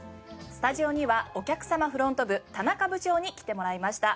スタジオにはお客様フロント部田中部長に来てもらいました。